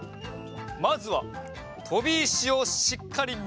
まずはとび石をしっかりみる！